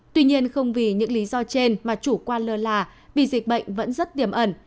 tuy nhiên không vì những lý do trên mà chủ quan lơ là vì dịch bệnh vẫn rất tiềm ẩn